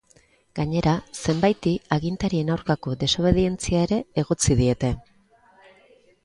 Gainera, zenbaiti agintarien aurkako desobedientzia ere egotzi diete.